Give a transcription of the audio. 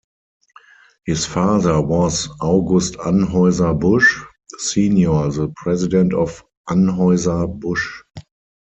His father was August Anheuser Busch Senior the President of Anheuser-Busch.